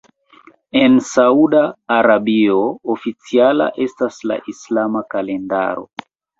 En Sauda Arabio oficiala estas la islama kalendaro.